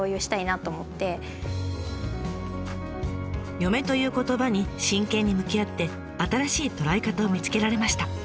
「嫁」という言葉に真剣に向き合って新しい捉え方を見つけられました。